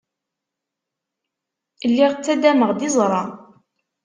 Lliɣ ttaddameɣ-d iẓra.